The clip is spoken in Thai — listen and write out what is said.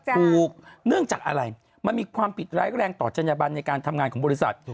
เนื่องจากอะไรมันมีความผิดร้ายแรงต่อจัญญบันในการทำงานของบริษัท